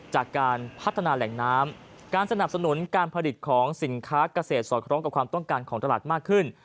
จากการพัฒนาแหล่งน้ำการสนับสนุนการผลิตของสินค้าเกษตรสอดคล้องกับความต้องการของตลาดมากขึ้น